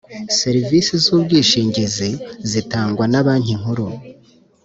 Serivisi z ‘ubwishingizi zitangw na Banki Nkuru .